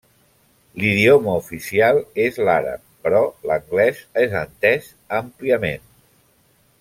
L'idioma oficial és l'àrab, però l'anglès és entès àmpliament.